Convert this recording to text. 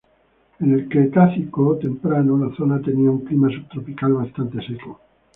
En el Cretácico temprano la zona tenía un clima subtropical bastante seco.